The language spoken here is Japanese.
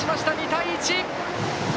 ２対１。